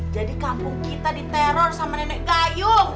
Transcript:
jadi kampung kita diteror sama nenek gayung